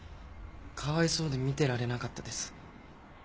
かわいそうで見てられなかったです。